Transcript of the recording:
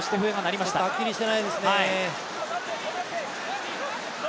ちょっとはっきりしていないですね。